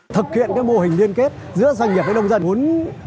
thực hiện mô hình liên kết giữa doanh nghiệp với nông dân